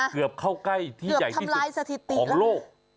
เกือบเข้าใกล้ที่ใหญ่ที่สุดของโลก